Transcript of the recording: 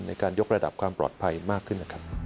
ในการยกระดับความปลอดภัยมากขึ้นนะครับ